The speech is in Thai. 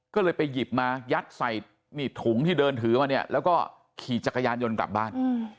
ก็เลยไปหยิบมายัดใส่ถุงที่เดินถือมาเนี่ยแล้วก็ขี่จักรยานยนต์กลับบ้าน